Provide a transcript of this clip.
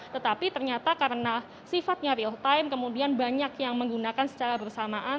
tetapi ternyata karena sifatnya real time kemudian banyak yang menggunakan secara bersamaan